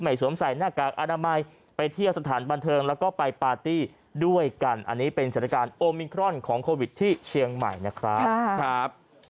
สวมใส่หน้ากากอนามัยไปเที่ยวสถานบันเทิงแล้วก็ไปปาร์ตี้ด้วยกันอันนี้เป็นสถานการณ์โอมินครอนของโควิดที่เชียงใหม่นะครับ